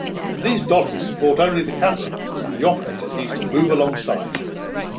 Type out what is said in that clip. These dollies support only the camera, and the operator needs to move alongside.